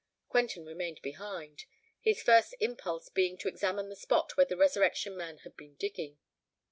Quentin remained behind—his first impulse being to examine the spot where the Resurrection Man had been digging.